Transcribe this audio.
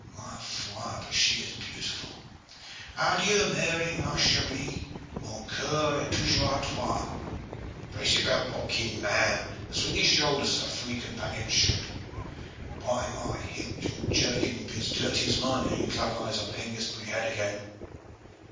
Ma foi, but she is beautiful! Adieu, Mary ma cherie! Mon coeur est toujours a toi. Brace your belt, Watkins, man, and swing your shoulders as a free companion should. By my hilt! your jerkins will be as dirty as mine ere you clap eyes on Hengistbury Head again."